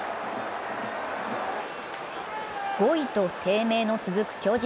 ５位と低迷の続く巨人。